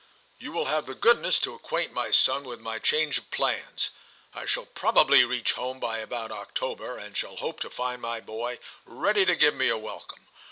* You will have the goodness to acquaint my son with my change of plans. I shall probably reach home by about October, and shall hope to find my boy ready to give me a welcome.